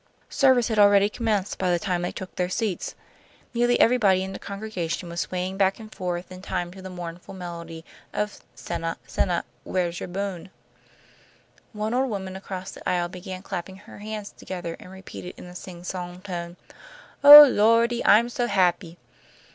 Service had already commenced by the time they took their seats. Nearly everybody in the congregation was swaying back and forth in time to the mournful melody of "Sinnah, sinnah, where's you boun'?" One old woman across the aisle began clapping her hands together, and repeated in a singsong tone, "Oh, Lordy! I'm so happy!"